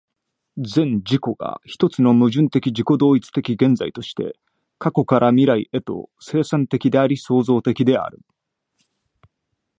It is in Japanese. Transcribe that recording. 全自己が一つの矛盾的自己同一的現在として、過去から未来へと、生産的であり創造的である。